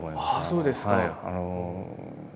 そうですか！